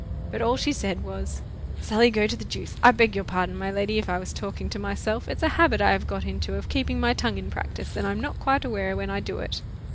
But all she said was— "'Sally, go to the Deuce.' I beg your pardon, my lady, if I was talking to myself; it's a habit I have got into of keeping my tongue in practice, and I am not quite aware when I do it.